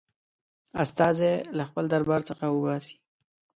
استازی له خپل دربار څخه وباسي.